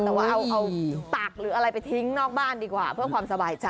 แต่ว่าเอาตักหรืออะไรไปทิ้งนอกบ้านดีกว่าเพื่อความสบายใจ